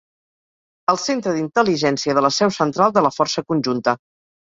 El centre d'intel·ligència de la seu central de la força conjunta.